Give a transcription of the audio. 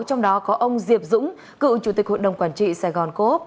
trong đó có ông diệp dũng cựu chủ tịch hội đồng quản trị sài gòn cố úc